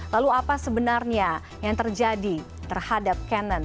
lalu apa sebenarnya yang terjadi terhadap cannon